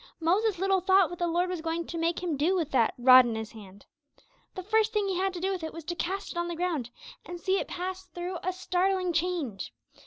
Moses little thought what the Lord was going to make him do with that 'rod in his hand'! The first thing he had to do with it was to 'cast it on the ground,' and see it pass through a startling change.